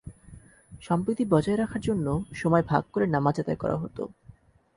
সম্প্রীতি বজায় রাখার জন্য সময় ভাগ করে নামাজ আদায় করা হতো।